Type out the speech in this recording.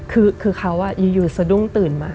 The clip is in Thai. คือเขาอยู่สะดุ้งตื่นมา